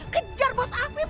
kejar bos afif